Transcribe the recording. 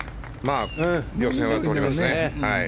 予選は通りますね。